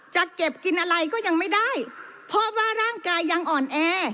จะเก็บกินอะไรก็ยังไม่ได้เพราะว่าร่างกายยังอ่อนแอ